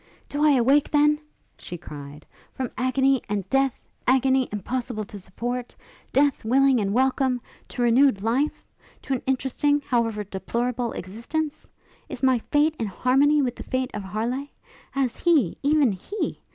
'Do I awake, then,' she cried, 'from agony and death agony, impossible to support! death, willing and welcome! to renewed life? to an interesting, however deplorable, existence? is my fate in harmony with the fate of Harleigh? Has he, even he!